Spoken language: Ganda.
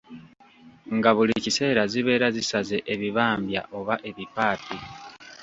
Nga buli kiseera zibeera zisaze ebibambya oba ebipaapi.